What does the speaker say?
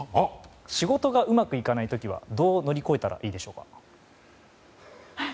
仕事がうまくいかない時はどう乗り越えたらいいでしょうか。